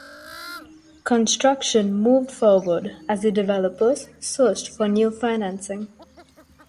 Construction moved forward as the developers searched for new financing.